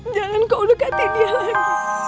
jangan kau dekati dia lagi